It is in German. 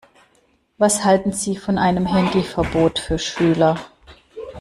Was halten Sie von einem Handyverbot für Schüler?